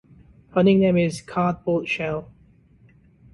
Her nickname is "Cardboard Shell".